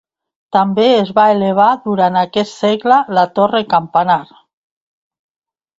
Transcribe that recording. També es va elevar durant aquest segle la torre campanar.